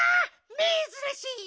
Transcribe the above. めずらしい！